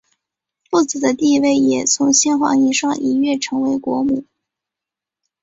富子的地位也从先皇遗孀一跃成为国母。